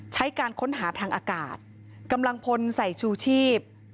การค้นหาทางอากาศกำลังพลใส่ชูชีพ